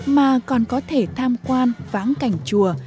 mà còn có thể tham quan ván cảnh chùa